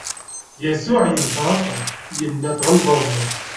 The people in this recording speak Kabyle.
Yasuɛ inṭeq, inna: Tɣelḍem!